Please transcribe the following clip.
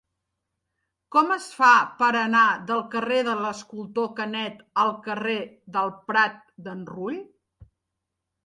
Com es fa per anar del carrer de l'Escultor Canet al carrer del Prat d'en Rull?